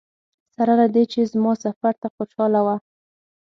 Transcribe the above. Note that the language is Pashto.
سره له دې چې زما سفر ته خوشاله وه.